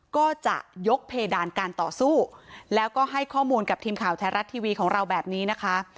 ก็จะยกเพดานการต่อสู้แล้วก็ให้ข้อมูลกับทีมข่าวไทยรัฐทีวีของเราแบบนี้นะคะ